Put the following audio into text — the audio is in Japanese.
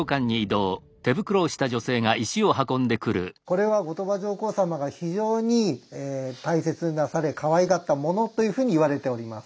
これは後鳥羽上皇様が非常に大切になされかわいがったものというふうに言われております。